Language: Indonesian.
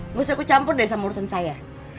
nggak usah aku campur deh sama urusan saya